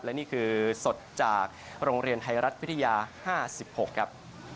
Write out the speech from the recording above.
และนี่คือสดจากโรงเรียนไทยรัฐวิทยา๕๖ครับ